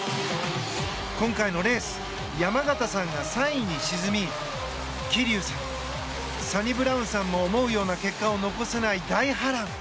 今回のレース、山縣さんが３位に沈み桐生さん、サニブラウンさんも思うような結果を残せない大波乱。